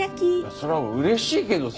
それは嬉しいけどさ。